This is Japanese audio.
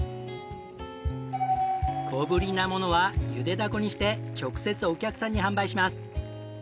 小ぶりなものは茹でダコにして直接お客さんに販売します。